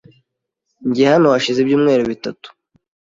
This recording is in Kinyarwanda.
Njye hano hashize ibyumweru bitatu.